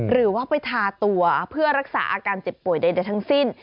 หรือว่าไปทาตัวเพื่อรักษาอาการเจ็บป่วยใดทั้งสิ้น